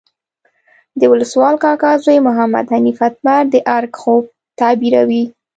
د ولسوال کاکا زوی محمد حنیف اتمر د ارګ خوب تعبیروي.